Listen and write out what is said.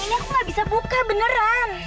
ini aku nggak bisa buka beneran